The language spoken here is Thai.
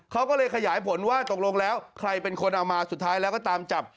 เขาก็เลยขยายผลว่าตกลงแล้วใครเป็นคนเอามาสุดท้ายแล้วก็ตามจับ